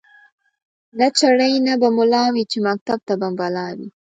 نه چړي نه به مُلا وی چي مکتب ته به بلا وي